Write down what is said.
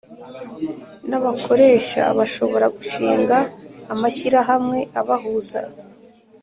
N abakoresha bashobora gushinga amashyirahamwe abahuza